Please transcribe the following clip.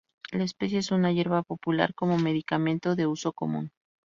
La especie es una hierba popular como medicamento de uso común.